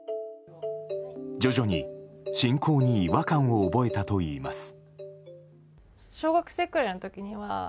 徐々に、信仰に違和感を覚えたといいます。